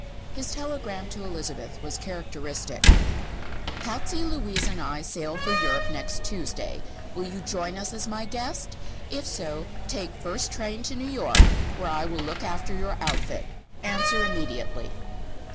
His telegram to Elizabeth was characteristic: "Patsy, Louise and I sail for Europe next Tuesday. Will you join us as my guest? If so, take first train to New York, where I will look after your outfit. Answer immediately."